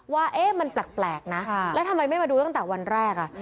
ว่ามันแปลกนะแล้วทำไมไม่มาดูตั้งแต่วันแรก